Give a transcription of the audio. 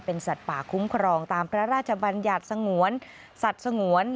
สัตว์ป่าคุ้มครองตามพระราชบัญญัติสงวนสัตว์สงวน